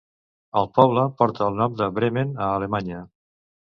El poble porta el nom de Bremen, a Alemanya.